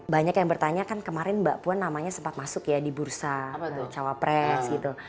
banyak yang bertanya kan kemarin mbak puan namanya sempat masuk ya di bursa cawapres gitu